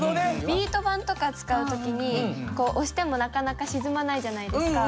ビート板とか使うときにこう押してもなかなか沈まないじゃないですか。